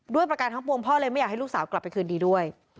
ประการทั้งปวงพ่อเลยไม่อยากให้ลูกสาวกลับไปคืนดีด้วย